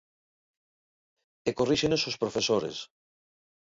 E corríxenos os profesores.